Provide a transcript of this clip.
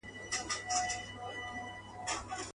خدایه چي بیا به کله اورو کوچيانۍ سندري.